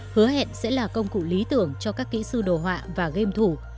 hứa hẹn sẽ là công cụ lý tưởng cho các kỹ sư đồ họa và game thủ